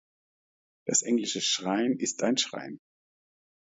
Das englische "shrine" ist ein Schrein.